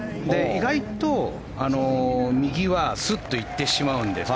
意外と右はすっと行ってしまうんです。